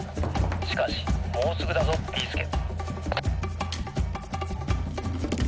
しかしもうすぐだぞビーすけ！」。